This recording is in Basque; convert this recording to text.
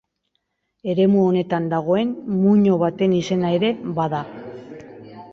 Eremu honetan dagoen muino baten izena ere bada.